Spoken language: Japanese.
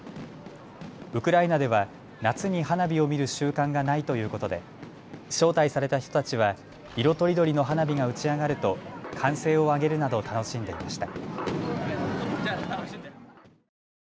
ウクライナでは夏に花火を見る習慣がないということで招待された人たちは色とりどりの花火が打ち上がると歓声を上げるなど楽しんでいました。